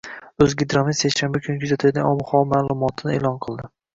O‘zgidromet seshanba kuni kuzatiladigan ob-havo ma’lumotini e’lon qildi